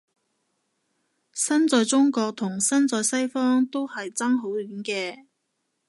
身在中國同身在西方都係爭好遠嘅